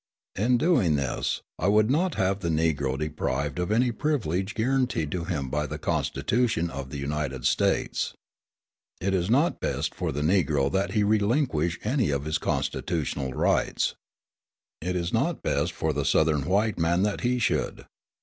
In doing this, I would not have the Negro deprived of any privilege guaranteed to him by the Constitution of the United States. It is not best for the Negro that he relinquish any of his constitutional rights. It is not best for the Southern white man that he should.